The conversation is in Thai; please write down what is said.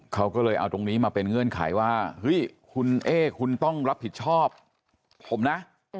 เขาก็เลยเอาตรงนี้มาเป็นเงื่อนไขว่าเฮ้ยคุณเอ๊คุณต้องรับผิดชอบผมนะ